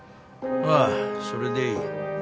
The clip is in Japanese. ああそれでいい。